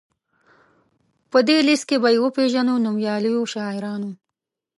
په دې لوست کې به یې وپيژنو نومیالیو شاعرانو.